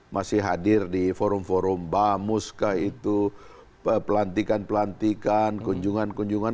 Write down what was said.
masih hadir di forum forum bamuska itu pelantikan pelantikan kunjungan kunjungan